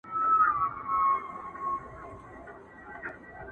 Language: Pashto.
کښتي وان ویل مُلا صرفي لا څه دي!!